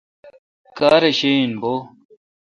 کار ے شہ این بو۔